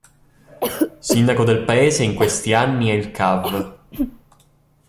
Sindaco del paese in questi anni è il cav.